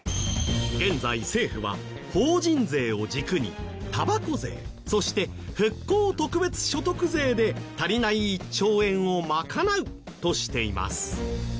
現在政府は法人税を軸にたばこ税そして復興特別所得税で足りない１兆円を賄うとしています。